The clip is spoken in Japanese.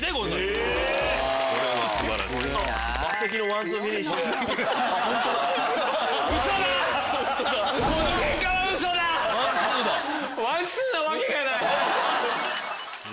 ワンツーなわけがない！